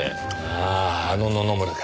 あああの野々村か。